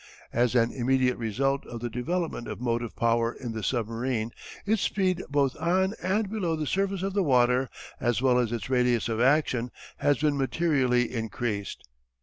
As an immediate result of the development of motive power in the submarine its speed both on and below the surface of the water as well as its radius of action has been materially increased.